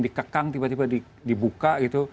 dikekang tiba tiba dibuka